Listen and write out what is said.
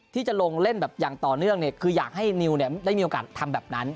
ที่จะลงเล่นแบบอย่างต่อเนื่องเนี่ยคืออยากให้นิวได้มีโอกาสทำแบบนั้น